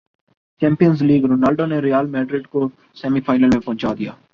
champions league Ronaldo نے Real Madrid کوسیمی final میں پہنچادیا